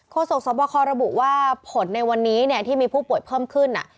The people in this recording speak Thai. โศกสวบคอระบุว่าผลในวันนี้ที่มีผู้ป่วยเพิ่มขึ้น